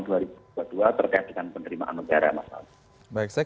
terkait dengan penerimaan daerah